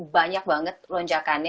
banyak banget lonjakannya